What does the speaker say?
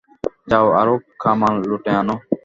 যাও, আরো কামান লুটে আনো।